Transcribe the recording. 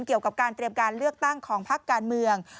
เกี่ยวกับการเตรียมการเลือกตั้งของพักการเมือง